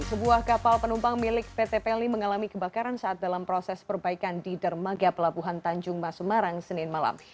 sebuah kapal penumpang milik pt peli mengalami kebakaran saat dalam proses perbaikan di dermaga pelabuhan tanjung mas semarang senin malam